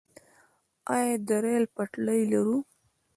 آیا د ریل پټلۍ لرو؟